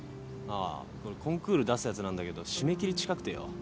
ああこれコンクール出すやつなんだけど締め切り近くてよ。